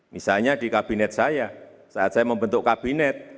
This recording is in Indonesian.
misalnya di kabinet saya saat saya membentuk kabinet